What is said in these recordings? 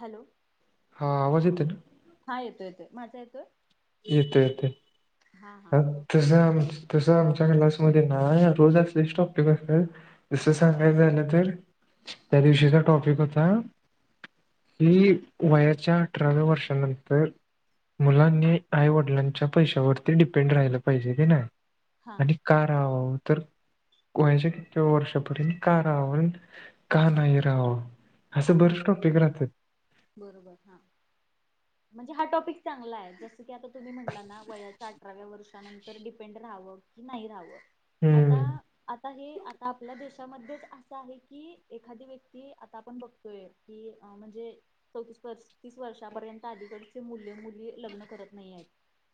Hello. हा आवाज येतोय न. हा येतो येतोय, माझा येतोय? येतोय येतोय. हा हा ह ओके. तसं आम तस आमच्या क्लासमध्ये ना, रोज असलेच टॉपिक असत्यात. तसं सांगाय झालं तर, त्या दिवशीचा टॉपिक होता की वयाच्या अठराव्या वर्षानंतर मुलांनी आईवडिलांच्या पैशावरती डिपेंड राहिलं पायजे की नाय, हा अणि का राहाववं तर वयाच्या कितव्या वर्षापर्यंत का राहावे का न्हाई राहावं. हा असं हा बरच टॉपिक राहत्यात. बरोबर हा, म्हणजे हा टॉपिक चांगलाय जसं की आता तुम्ही म्हटला ना वयाचा आठ् अठराव्या वर्षानंतर डिपेंड राहावं की नाही राहावं आता हम्म आता हे आता आपल्या देशामध्येच असं आहे की, एखादी व्यक्ती आता आपण बघतोय कि अं म्हणजे चौतीस पस्तीस वर्षापर्यंत अलीकडचे मुले मुली लग्न करत नईयेत.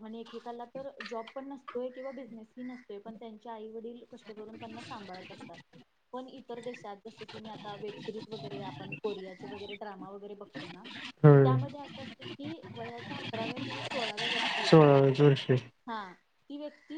अन् एकेकाला तर, जॉब पण नसतोय किंवा बिझनेस ही नसतोय पण त्यांच्या आईवडील कष् त करून त्यांना सांभाळत असतात पण इतर देशात जस की मी आता वेब सिरीज वगैर, आपण कोरियाचे वगैरे ड्रमा वगैरे बघ एना त होय त्यामध्ये असं असतं की वयाच्या अठराव्या किंवा सोळाव्या वर्षी सोळाव्याच वर्षी. हा, ती व्यक्ती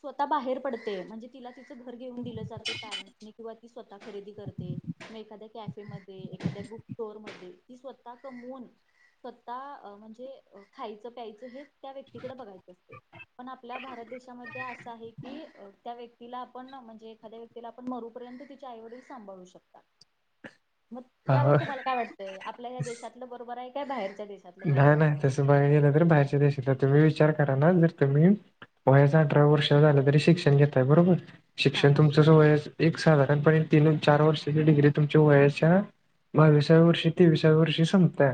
स्वतः बाहेर पडते म्हणजे तिला तिचं घर घेऊन दिलं जाते पॅरेंटसनी किंवा स्वतः खरेदी करते, म एखाद्या कॅफेम ते, एखाद्या बुक स्टोर मध्ये ती स्वतः कमवून, स्वतः अ म्हणजे अ खायचं प्यायचं हे त्या व्यक्तीकडे बघायचं असते. पण आपल्या भारत देशामध्ये असं आहे की अ त्या व्यक्तीला आपण म्हणजे एखाद्या व्यक् तिला आपण मरूपर्यंत तिचे आई वडील सांभाळू शकता. म यावर हा तुम्हाला काय वाटतंय? आपल्या ह्या देशातलं बरोबराय काय बाहेरच्या देशात न्हाय, न्हाय, तसं बघाय गेलं तर बाहेरच्या देशाचा तुम्ही विचार करा ना जर तुम्ही वयाच्या अठराव वर्ष झालं तरी शिक्षण घेताय बरोबर, हा शिक्षण बरोबर तुमचंच वयाच् एक साधारणपणे तीन चार वर्षाची डिग्री तुमच्या वयाच्या बावीसाव्या वर्षी, तेवीसाव्या वर्षी संपत्या.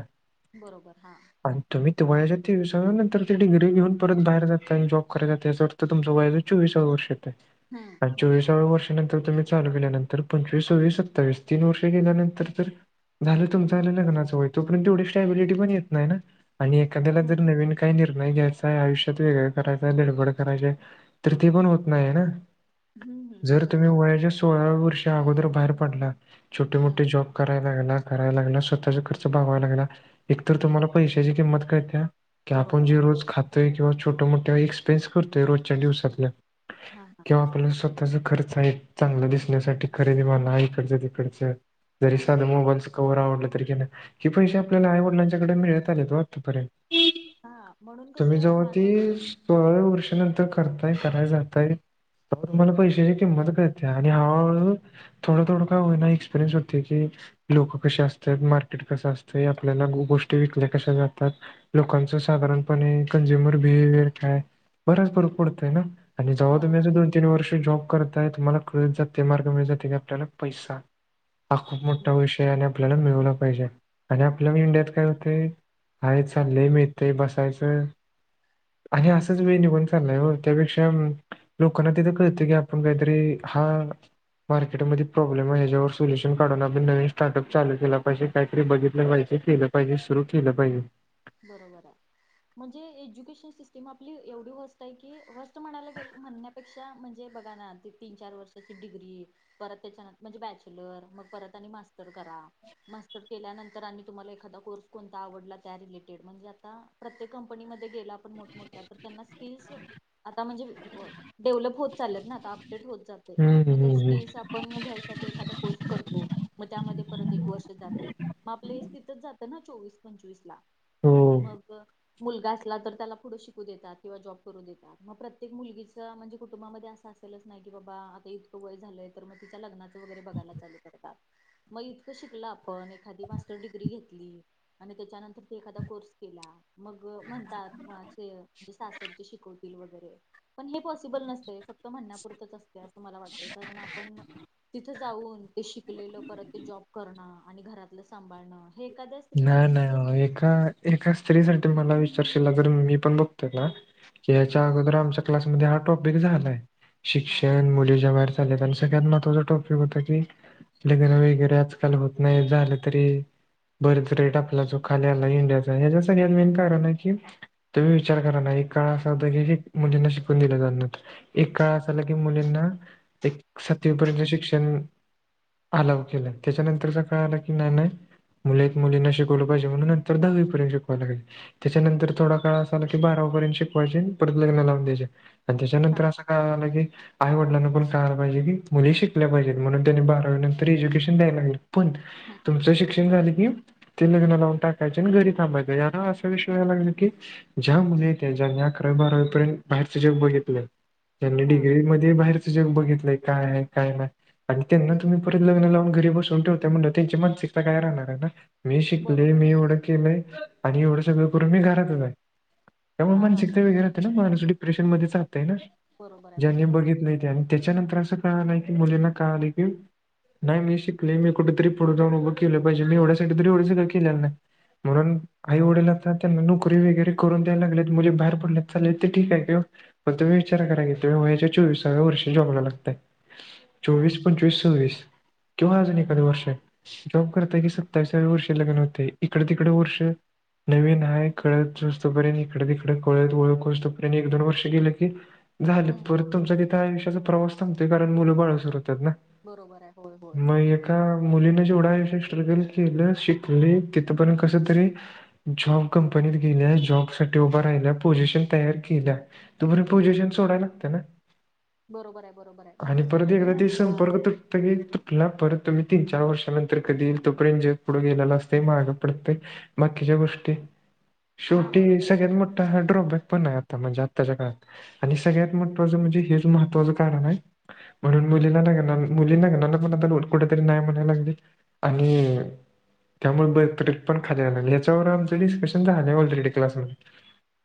बरोबर हां. आणि तुम्ही ते वयाच्या तेविसाव्या नंतर, ते डिग्री घेऊन परत बाहेर जाताय आणि जॉब कराय जाताय सोड त तुमचा वयाच्या चोवीसाव्या वर्षी येतय हम्म आण हम्म चोवीसाव्या वर्ष नंतर तुम्ही चालू केल्यानंतर, पंचवीस, सव्विस, सत्तावीस, तीन वर्ष गेल्यानंतर तर झालं तुमचं आणि लग्नाचं वय, तोपर्यंत एवढी स्टबिलिटी पण येत नाही ना आणि एखाद्याला हम्म जर नवीन काई निर्णय घ्यायचाय आयुष्यात, वेगळं करायचांय, धडपड करायचंय, तर ते पण होत नाईय ना. हम्म हम्म, जर तुम्ही बरोबर वयाच्या सोळाव्या वर्षा अगोदर बाहेर पडला छोटे हम्म मोठे जॉब कराय- लग्न करायला लागला, स्वतःचा खर्च भागवायला लागला. तर हम्म तुम्हाला पैशाची किंमत कळतेया की आपण बरोबर जि आहे रोज होय खात य किंवा छोट्या मोठ्या एक्सपिरयन्स करतोय रोजच्या दिवसातल. हा हा. तेव्हा आपल्याला स्वतःचा खर्च आहे चांगल दिसण्यासाठी खरेदी म्हना इकडच तिकडच हा जरी हा साधं मोबाईलचं कवर आवडलं तरी घेनार हे पैसे आपल्याला आई वडिलांच्याकडे मिळत आलेत हो आत्तापर्यंत. हा म्हणून तुम्ही कसं जव्हा माणूस तिच सोळाव्या वर्षानंतर करताय कराय जाताय तुम्हाला पैशाची किंमत कळते आणि हळूहळू थोडं थोडं का हो एक्पिरियनस होते की. लोक कसे असतात, मार्केट कसं असतंय आपल्याला गु गोष्ट- ते विकल्या कशा जातात लोकांचं साधारणपणे कंजूमर भीवेयर काय? बराच फरक पडतोय ना. आणि जव्हा तुम्ही अस बरोबर आहे दोन तीन वर्ष जॉब करताय तुम्हाला कळत जातय मार्ग मिळत जातय आपल्याला पैसा हा खुप मोठा हम्म, विषय आणि आपल्याला मिळवला पाहिजे आणि आपल्या इंडियात काय होत ते आई चाललंय मिळतंय बसायचं. आणि असाच वेळ निघून चाललाय हो त्यापेक्षा लोकांना तिथ कळतय की आपण कायतरी हा. मार्केटमध्ये प्रॉब्लेम ह्याच्यावर सोल्यूशन काढून आपण नवीन स्टार्टअप चालू केला पाहिजे. काहीतरी बघितलं पाहिजे केलं पाहिजे सुरू केलं पाहिजे. बरोबर हाय. म्हणजे एज्युकेशन सिस्टीम आपली एवढी व्हस्ट आहे की व्हस्ट म्हणायला गे म्हणण्या पेक्षा म्हणजे बघा ना ती तीन चार वर्षाची डिग्री. परत त्याच्यान म्हणजे बॅचलर मग परत आणि मास्टर करा. मास्टर केल्यानंतर आणि तुम्हाला एखादा कोर्स कोणता आवडला त्या रिलेट. म्हणजे आता प्रत्येक कंपनीमध्ये गेला पण मोठमोठ्या तर त्यांना स्किल्स आता म्हणजे डेव्हलप होत चालत ना आता अपडेड होत चाल हम्म मग हम्म त्या हम्म. स्किल्स- आपण घ्यायसाठी एखादा कोर्स करतो मग त्यामध्ये परत एक वर्ष जातय मग आपलं हे तिथच जातं ना चोवीस पंचवीस ला हो मग. मुलगा असला तर त्याला पुढं शिकू देतात किंवा जॉब करू देतात मग प्रत्येक मुलगीचं म्हणजे कुटुंबामध्ये असं अस नाही की बाबा आता इतकं वय झालंय तर मग तिच्या लग्नाचं वगैरे बघायला चालू करतात. मग इतकं शिकलं आपण एखादी मास्टर डिग्री घेतली आणि त्याच्यानंतर ते एखादा कोर्स केला मग म्हणतात च सासरची शिकवतील वगैरे पण हे पॉसिबल नसते फक्त म्हणण्यापुरतंच असते असं मला वाटत कारण आपण तिथ जाऊन ते शिकलेलं परत ते जॉब करणं आणि घरातलं सांभाळणं हे एखाद्या स्त्रीला नाही म्हणजे जर नाही एका एका स्त्री साठी मला विचारशीलील जर मी पण बघतोय ना. याच्या अगोदर आमच्या क्लासमध्ये हा टॉपिक झालाय, हा हा शिक्षण मुली ज सगळ्यात महत्वाच टॉपिक होत की लग्न वगैरे आजकाल होत नाही झालं तरी. बर्थ रेट आपला जो खाली आला इंडियाचा ह्याच्या सगळ्यात मेन कारण आहे की तुम्ही विचार करा ना एक काळ असा होता की मुलींना शिकून दिलं जात नव्हत एक काळ असला की मुलींना एक सातवीपर्यंत शिक्षण अलाव केलय त्याच्यानंतरचा काळ आला की नाही नाही मुलेत मुलींना शिकवलं पाहिजे म्हणून नंतर दहावीपर्यंत शिकवाय लागले. त्याच्यानंतर थोडा काळ असा आला की बारावी पर्यंत शिकवायचे परत लग्न लावून द्यायच आणि त्याच्यानंतर असं हा लगी आईवडलांना पाहिजे की मुली शिकल्या पाहिजव म्हणून त्यांनी बारावी नंतर एज्युकेशन द्याय लागल. पण हं तुमचं शिक्षण की ते लग्न लावून टाकायचे आणि घरी थांबायचं असं विषय लागल की. ज्या मुलींना अकरावी बारावी पर्यंत बाहेरच जग बघितले. त्यांनी हा डिग्री मध्ये बाहेरच जग बघितलंय काय आहे काय नाही. आणि त्यांना तुम्ही परत लग्न लावून घरी बसवून ठेवता म्हण त्यांची मानसिक सगळ्या राहणार ना मी एवढा शिकलो बरोबर मी आहे. एवढा केलंय आणि एवढ सगळं करून मी घरातच आहे त्यामुळे हा हा हा मानसिकता वगैरे होते ना. [unintelligible] ऑपरेशन मध्ये जातयना बरोबर आहे ज्यांनी बरोबर आहे. बघितलं त्यांनी. याच्यानंतर असं कळालं की मुलींना कळाले की नाही मी शिकलेली आहे कुठेतरी कुठे पुढे जाऊन उभा. केलं पाहिजे मी एवढा साठी एवढं सगळं केलं नाही. म्हणून आई वडील [unintelligible] री वगैरे करून दाय लागलेत, मुली बाहेर पडल्यात चालेल ते ठीक आहे घ- पण तुम्ही विचार करा की, तुम्ही वया त चोवीस वर्षां ला जॉब लागताय. हा चोवीस पंचवीस सव्वीस केव्हा अजून एखाददी वर्ष आहे. जॉब करताय की सत्तावीसाळी वर्ष लग्न होते इकडे तिकडे वर्ष. नवीन आहे कळत असस्तपर्यंत इकडं तिकडं तिकड कळत ओळखस्तपर्यंत एक दोन वर्ष गेलं की. झालं हम्म परत तुमचा तिथं आयुष्याचा प्रवास थांगतोय कारण मुलं बाळ सुर होतात ना. बरोबर आहे होय होय. मग एका मुलीने जेवढा आयुष्यात स्ट्रगल केलं शिकले तिथपर्यंत कसं तरी. जॉब कंपनीत गेल्या, जॉब साठी उभा राहिल्या, पोझिशन तयार केल्या. तोवर हम्म पोजिशन सोडायलाग त्याना नांव. बरोबर आहे बरोबर आहे आणि जसं की परत तुम्ही एकदा ते म्हंटला संपर्क तुटत की तुटला परत तुम्ही तीन चार वर्षालापर्यत, तर कधी येईल तोपर्यंत जग पुढं गेलेला असतं माग पडते बाकीच्या गोष्टी. हा शेवटी बरोबर आहे. सगळ्यात मोठा ड्रॉबॅक पण आहे आता म्हणजे आत्ताच्या काळात. आणि सगळ्यात महत्वाचं म्हणजे हेच महत्त्वाचं कारण आहे. म्हणून मुलीला लग्न नाही घेणार मुली ना घेणार मण कुठेतरी नाही म्हणायला लागली. आणि. त्यामुळें बर पण खाली यायलागय यांच्यावर आमचं डिस्कशन झालं ऑलरेडी क्लास मध्ये.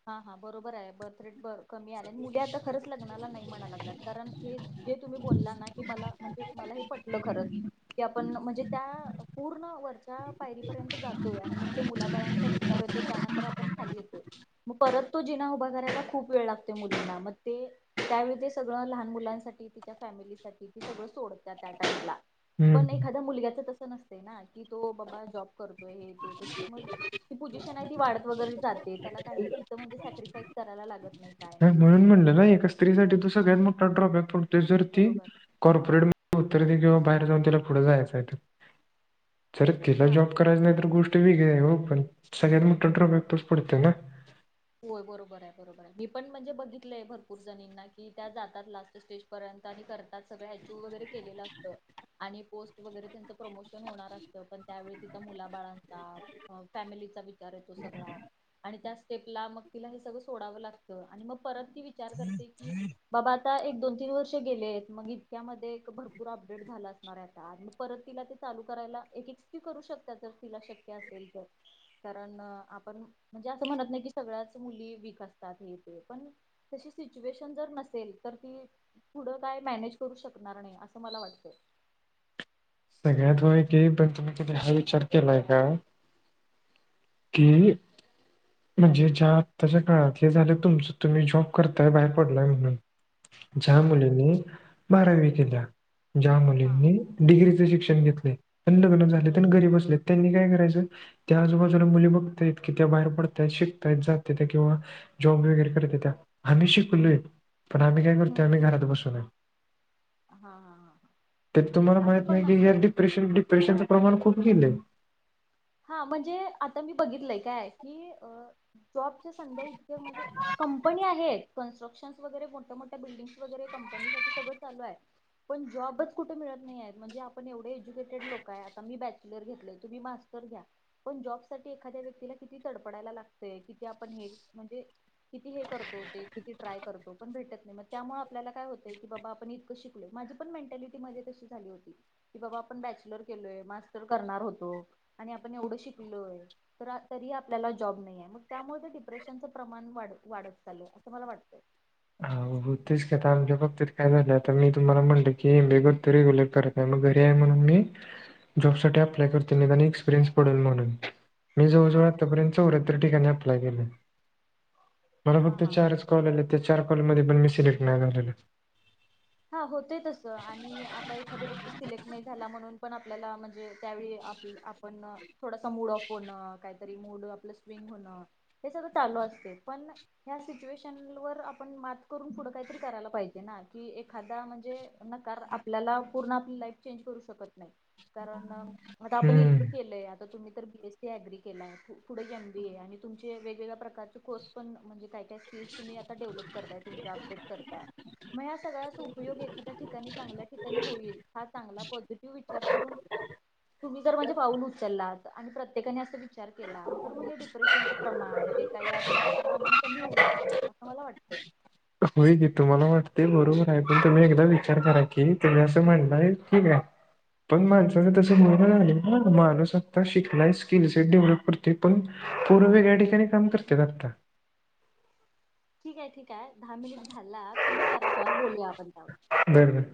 हा हा बरोबर आहे बर्थ रेट कमी आल्या आणि मुली आता खरंच लग्नाला नाही म्हणा लागल्यात कारण हे जे तुम्ही बोलला ना कि मला म्हणजे मला हे पटलं खरंच की आपण म्हणजे त्या. पूर्ण वरच्या पायरीपर्यंत जातोय आणि मग ते मुलाबाळांचा विचार होेतो त्यानंतर आपण खाली येतोय. मग परत तो जिना उभा करायला खूप वेळ लागते मुलींना मग ते, त्यावेळी ते सगळं लहान मुलांसाठी तिच्या फॅमिलीसाठी त सगळं सोडतात त्या टाइमला. हम्म. पण एखादा मुलग्याच तसं नसतय ना की तो बाबा जॉब करतोय हे ती मग. ती पोझिशन आहे ती वाढत वगैरे जाते त्या काही तिथं म्हणजे सॅक्रीिफाईस करायला लागत. नाही काय नाही म्हणून म्हणलं ना, एका स्त्रीसाठी तो सगळ्यात मोठा ड्रॉप आहे पण त जर ती. बरोबर कॉर्पोरेट मध्ये उत्तर दे किंवा बाहेर जाऊन तिला पुढं जायचं आहे. तर जर तिला हा जॉब करायचा नाय गोष्टी वेगळी आहे पण सगळ्यात मोठा ड्रॉप बॅक तसेच पडतंय ना. होय बरोबर आहे बरोबर आहे. मी पण म्हणजे बघितलंय भरपूर जणींना की त्या जातात लास्ट स्टेज. पर्यंत आणि करतात सगळं आय क्यु वगैरे केलेलं असतं. आणि पोस्ट वगैरे त्यांचं प्रमोशन होणार असतं पण त्यावेळी तिथं मुला बाळांचा. हो फॅमिलीचा विचार येतो सगळा आणि त्या. तेला मग तिला हे सगळं सोडावं लागतं आणि मग परत ती विचार करते की बाबा. आता एक दोन तीन वर्ष गेले, आहेत मग इतक्यामध्ये एक भरपूर अपडेट झाला असणार आहे आता. परत तिला ते चालू करायला एकच करू शकतात जर तिला शक्य असेल तर. कारण आपण म्हणजे असं म्हणत नाही की. सगळ्यांचं मुली वीक असतात हे तेे पण तशी सिच्युएशन जर नसेल तर ती, पुढं काय मॅनेज करू शकणार नाही असं मला वाटतंय. सगळ्यात होय की पण तुम्ही कधी हा विचार केलाय का. कि. म्हणजे ज्या आत्ताच्या काळातल झालं तुमच तुम्ही जॉब करताय बाहेर पडलाय म्हणून. ज्या हा हा मुलींनी बारावी केल्या, ज्या हा मुलींनी डिग्री च शिक्षण घेतलय, लग्न बर. झालेत न घरी बसलेत त्यांनी काय करायचं त्या आजोबाजु मुली बघतायत कि त्या बाहेर पडतायत शिकतायत जात्यात किंवा जॉब वगैरे करतेत्या आम्ही शिकलोय पण आम्ही काय हम्म. करतोय आम्ही घरात बसूनय. हा हा हा हा. तर तुम्हाला असं माहीत पण नाही की या डिप्रेशन डिप्रेशनचं प्रमाण खूप गेलंय. हा म्हणजे आता मी बघितलंय काय की जॉबच्या संध्या इतक्या म्हणजे कंपनी आहेत कन्स्ट्रक्शन्स वगैरे मोठ्या मोठ्या बिल्डिंग्स वगैरे कंपनीसाठी सगळं चालूय. पण जॉबच कुठे मिळत नाहीत म्हणजे आपण एवढे एज्युकेटेड लोक आहे आता मी बॅचलर घेतलेय तुम्ही मास् घ्या पण जॉब साठी एखाद्या व्यक्तीला किती तडपडायला लागतय किती आपण हे म्हणजे. किती हे करतो ते किती ट्राय करतो पण भेटत नाही मग त्यामुळे आपल्याला काय होतंय की बाबा आपण इतकं शिक माझी पण मेंटॅलिटी मध्ये तशी झाली होती. कि बाबा आपण बॅचलर केलोय मास्टर करणार होतो आणि आपण एवढं शिकलोय. तर तरी आपल्याला जॉब नाही आहे मग त्यामुळे ते डिप्रेशनचं प्रमाणढ वाढत चालय असं मला वाटतय. अ हो तेच काता आमच्या बाबतीत काय झालं आता मी तुम्हाला म्हणत की हे बे करतो रेग्यलर करत. मग घरी आहे म्हणून मी जॉब साठी अप्लाय करते नाही आणि एक्सपिरियन्स पडेल म्हणून. मी हा जवजवळ हा आपर्यंत चौऱ्यातर ठिकाणी अप्लाय केलं मला हा फक्त हा हा चार कॉल आ त्या चार कॉल मध्ये पण मी सिलेक्ट नाही झाले. हा होते तसं आणि आता एखाद्या व्यक्ती सिलेक्ट नाही झाला म्हणून पण आपल्याला म्हणजे त्यावेळी आप पण थोडासा मूड ऑफ होण काहीतरी मूड आपलं स्विंग होणं. हे सगळं चालू असते पण ह्या सिचुएशन वर आपण मात करून पुढं काहीतरी करायला पाहिजे ना की एखादा म्हणजे नकार आपल्याला पूर्ण आपली लाईफ चेंज करू शकत नाही. कारण मता आपण इतकं. हम्म केलंय आता तुम्ही तर बी एस सी अग्री केला आहे एम ए आणि तुमचे वेगवेगळ्या प्रकारचे कोर्स. णे का का स्कल्स तुम्ही आता डेव्हलप करतायम अपडेट करतायग सगळ्या उपयोग एखाद्या ठिकाणी चांगल्या ठिकाणी होईल हा पॉझिटिव्ह. विचार करून तुम्ही ज माणझे पाऊून उचललात आणि प्रत्येकाने अस विचार केला तर म्हणजे डिप्रेशनचं प्रमाण जे काही आहे त्याचं प्रमाण कमी होऊ शकतं असं मला वाटतं. होय गे तुम्हाला वाटते बरोबर आहे पण तुम्ही एकदा विचार करा की तुम्ही असं म्हणलंय. ठीक आहे पण माणसाच तस मुलं झाले ना माणूस आता शिकलाय स्किलस डेव्हलप करते पण पूर्ववेेगळ्या ठिकाणी काम करते आता. ठीक आहे ठीक आहे दहा मिनिट झाला तुम्ही करा कॉल बोलूया आपण त्यावर बर ब